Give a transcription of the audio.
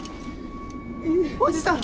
おじさん！